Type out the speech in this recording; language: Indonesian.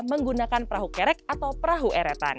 menggunakan perahu kerek atau perahu eretan